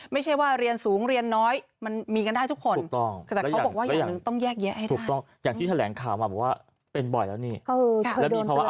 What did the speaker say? ไม่ใช่ว่าเรียนสูงเรียนน้อย